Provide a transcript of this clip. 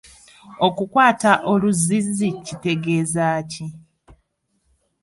Okukwata oluzzizzi kitegeeza ki?